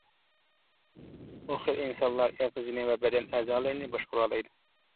بۇ خىل ئىنسانلار ئېغىزىنى ۋە بەدەن ئەزالىرىنى باشقۇرالايدۇ.